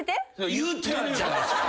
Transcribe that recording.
言うてるじゃないっすか。